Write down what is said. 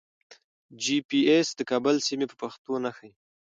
جي پي ایس د کابل سیمې په پښتو نه ښیي.